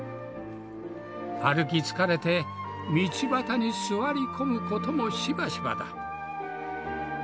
歩き疲れて道端に座り込むこともしばしばだ。